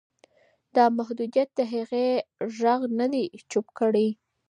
دا محدودیت د هغې غږ نه دی چوپ کړی.